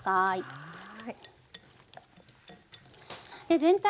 はい。